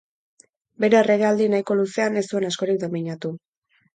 Bere erregealdi nahiko luzean, ez zuen askorik domeinatu.